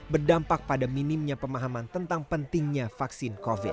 berdampak pada minimnya pemahaman tentang pentingnya vaksin covid